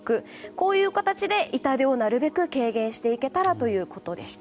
こういう形で痛手をなるべく軽減していけたらということでした。